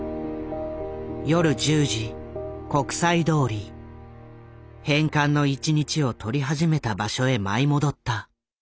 夜１０時返還の１日を撮り始めた場所へ舞い戻った。